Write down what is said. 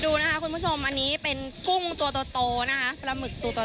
ดูนะคะคุณผู้ชมอันนี้เป็นกุ้งตัวโตนะคะปลาหมึกตัวโต